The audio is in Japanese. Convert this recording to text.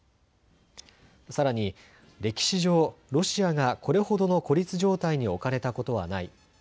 さらに、歴史上、ロシアがこれほどの孤立状態に置かれたことはない。